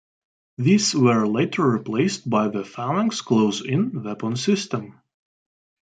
These were later replaced by the Phalanx close-in weapon system.